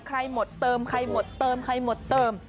หมดเติมใครหมดเติมใครหมดเติม